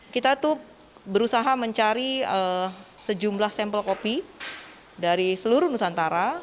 kita tuh berusaha mencari sejumlah sampel kopi dari seluruh nusantara